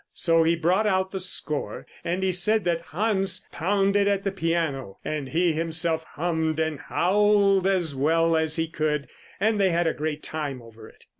So he brought out the score, and he said that Hans pounded at the piano, and he himself hummed and howled as well as he could, and they had a great time over it.